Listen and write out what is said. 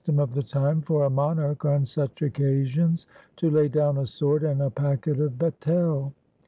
It was the custom of the time for a monarch on such occasions to lay down a sword and a packet of betel.